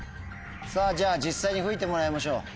さぁじゃあ実際に吹いてもらいましょう。